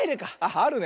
あるね。